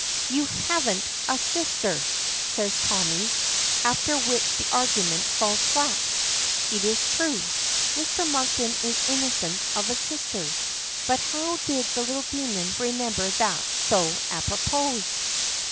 "You haven't a sister," says Tommy, after which the argument falls flat. It is true, Mr. Monkton is innocent of a sister, but how did the little demon remember that so apropos.